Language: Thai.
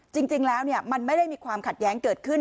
จริงแล้วมันไม่ได้มีความขัดแย้งเกิดขึ้น